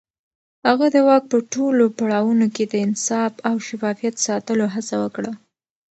هغه د واک په ټولو پړاوونو کې د انصاف او شفافيت ساتلو هڅه وکړه.